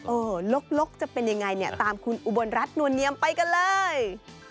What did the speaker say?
ลกจะเป็นยังไงเนี่ยตามคุณอุบลรัฐนวลเนียมไปกันเลย